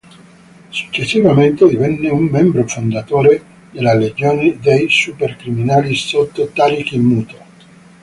Successivamente divenne un membro fondatore della Legione dei Supercriminali sotto Tarik il Muto.